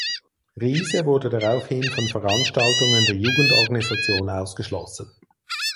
Riise wurde daraufhin von Veranstaltungen der Jugendorganisation ausgeschlossen.